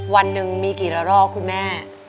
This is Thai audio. วันหนึ่งมีกี่ละรอกคุณแม่